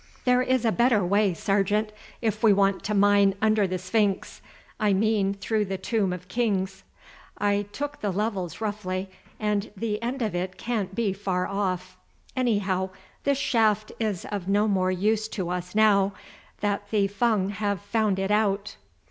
"There is a better way, Sergeant, if we want to mine under the sphinx; I mean through the Tomb of Kings. I took the levels roughly, and the end of it can't be far off. Anyhow, this shaft is of no more use to us now that the Fung have found it out."